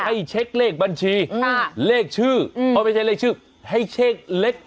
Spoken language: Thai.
ให้เช็คเลขบัญชีเลขชื่อเพราะไม่ใช่เลขชื่อให้เช็คเลข